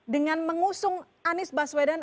dengan mengusung anies baswedan